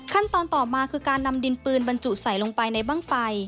ต่อมาคือการนำดินปืนบรรจุใส่ลงไปในบ้างไฟ